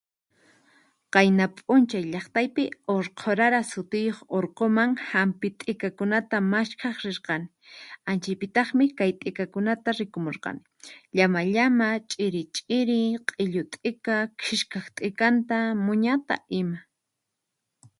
Qayna p'unchay llaqtaypi, Urqurara sutiyuq urquman hampi t'ikakunata maskhaq rirqani, anchaypitaqmi kay t'ikakunata rikumurqani: llama llama, ch'iri ch'iri, q'illu t'ika, khishkaq t'ikanta, muñata ima.